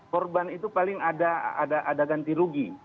korban itu paling ada ganti rugi